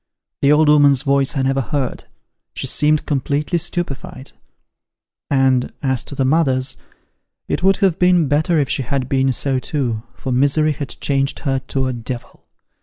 The old 'ooman's voice I never heard : she seemed completely stupified ; and as to the mother's, it would have been better if she had been so too, for misery had changed her to a devil.